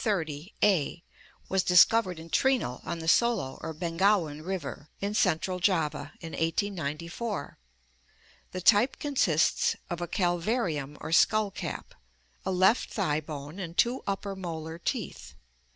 XXX, A), was discovered in Trinil, on the Solo •or Bengawan River in central Java, in 1894. The type consists of a calvarium or skull cap, a left thigh bone, and two upper molar teeth.